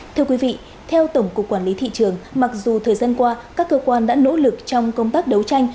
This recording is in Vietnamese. thưa quý vị theo tổng cục quản lý thị trường mặc dù thời gian qua các cơ quan đã nỗ lực trong công tác đấu tranh